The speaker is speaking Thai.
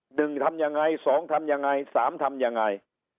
หนึ่งทำยังไงสองทำยังไงสามทำยังไง